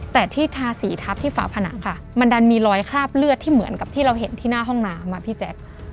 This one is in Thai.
แต่ที่ทาสีทับที่ฝาผนังค่ะมันดันมีรอยคราบเลือดที่เหมือนกับที่เราเห็นที่หน้าห้องน้ำอ่ะพี่แจ๊ค